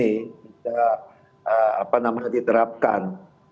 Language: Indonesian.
yang ini tidak diterapkan